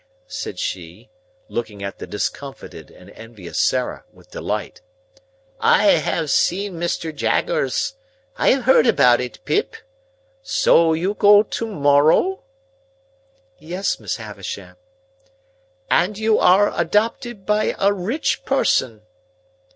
said she, looking at the discomfited and envious Sarah, with delight. "I have seen Mr. Jaggers. I have heard about it, Pip. So you go to morrow?" "Yes, Miss Havisham." "And you are adopted by a rich person?"